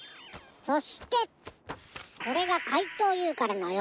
そしてこれがかいとうＵからのよ